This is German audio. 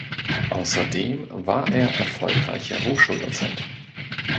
Außerdem war er erfolgreicher Hochschuldozent.